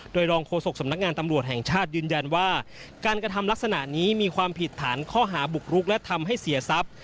โดยรองโฆษกสำนักงานตำรวจแห่งชาติยืนยันว่าการกระทำลักษณะนี้มีความผิดฐานข้อหาบุกรุกและทำให้เสียทรัพย์